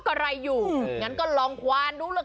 ใครออกแบบห้องน้ำวะ